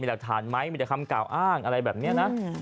หลักฐานไหมมีแต่คำกล่าวอ้างอะไรแบบนี้นะ